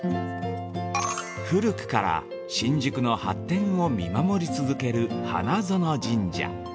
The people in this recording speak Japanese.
◆古くから新宿の発展を見守り続ける「花園神社」。